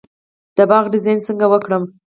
د باغ ډیزاین څنګه وکړم؟